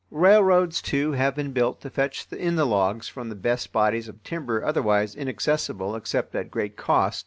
Railroads, too, have been built to fetch in the logs from the best bodies of timber otherwise inaccessible except at great cost.